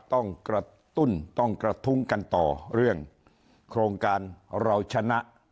ต้องกระตุ้นต้องกระทุ้งกันต่อเรื่องโครงการเราชนะ